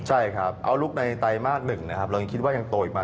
ใช่ครับเอาลุกใดไตมาส๑เรางานิคิดว่ายังโตอีกมา๙๘